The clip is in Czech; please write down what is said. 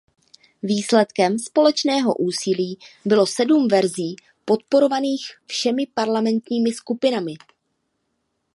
Výsledkem společného úsilí bylo sedm verzí podporovaných všemi parlamentními skupinami.